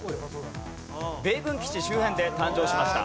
米軍基地周辺で誕生しました。